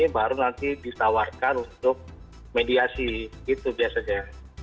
baru nanti disawarkan untuk mediasi gitu biasanya